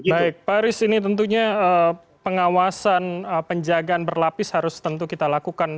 baik pak aris ini tentunya pengawasan penjagaan berlapis harus tentu kita lakukan